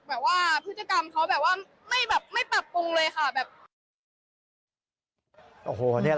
แบบว่าพฤติกรรมเขาไม่ปรับปรุงเลยค่ะ